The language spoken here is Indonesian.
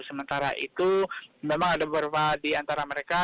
sementara itu memang ada beberapa di antara mereka